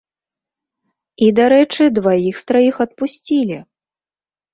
І, дарэчы, дваіх з траіх адпусцілі!